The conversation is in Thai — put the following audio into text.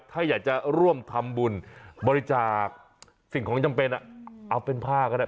ถ้าอยากจะร่วมทำบุญบริจาคสิ่งของจำเป็นเอาเป็นผ้าก็ได้